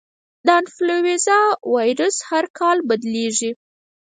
د انفلوېنزا وایرس هر کال بدلېږي.